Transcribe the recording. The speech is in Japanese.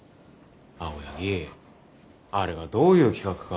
青柳あれがどういう企画か。